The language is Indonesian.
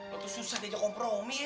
lo tuh susah dia kompromi